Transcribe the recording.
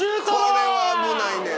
これは危ないねん。